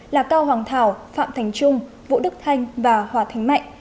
là cao hoàng thảo phạm thành trung vũ đức thanh và hòa thành mạnh